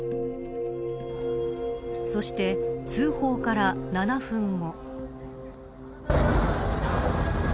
そして通報から７分後。